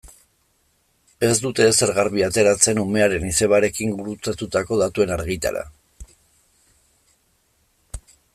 Ez dute ezer garbi ateratzen umearen izebarekin gurutzatutako datuen argitara.